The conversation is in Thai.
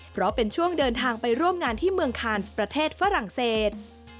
เพราะเป็นช่วงเดินทางไปร่วมงานที่เมืองคานประเทศฝรั่งเศส